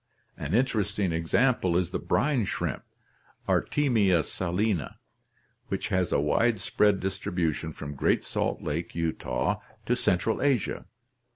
An interesting example is the brine shrimp (Artemia salina) which has a widespread dis tribution from Great Salt Lake, Utah, to Central Asia.